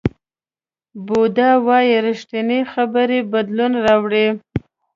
بودا وایي ریښتینې خبرې بدلون راوړي.